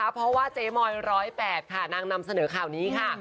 เพราะว่าเจ๊มอย๑๐๘ค่ะนางนำเสนอข่าวนี้ค่ะ